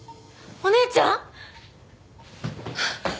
お姉ちゃん！